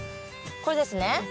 これですね。